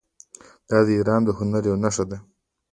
دا د ایران د هنر یوه نښه ده.